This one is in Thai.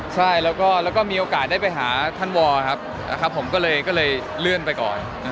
ใช่แล้วก็มีโอกาสได้ไปหาท่านวอร์ครับผมก็เลยเลื่อนไปก่อน